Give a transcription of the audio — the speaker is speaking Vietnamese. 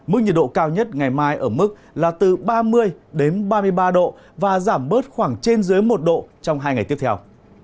mức nhiệt độ cao nhất ngày mai ở mức là từ ba mươi đến ba mươi ba độ và giảm bớt khoảng trên dưới một độ trong hai ngày tiếp theo